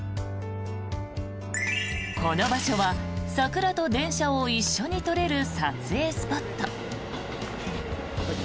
この場所は桜と電車を一緒に撮れる撮影スポット。